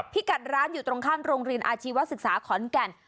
พี่กัดร้านอยู่ตรงข้ามโรงเรียนอาชีวศึกษาขอนแก่น